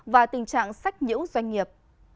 và tình trạng sách nhữ doanh nghiệp